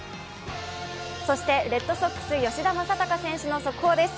レッドソックス吉田正尚選手の速報です。